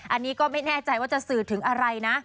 อันนี้ก็ไม่แน่ใจว่าจะสื่อถึงอะไรนะ